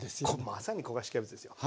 まさに焦がしキャベツですよ。